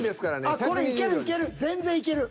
あっこれいける。